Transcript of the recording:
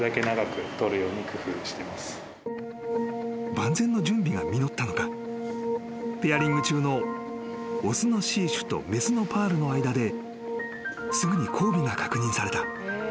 ［万全の準備が実ったのかペアリング中の雄のシーシュと雌のパールの間ですぐに交尾が確認された］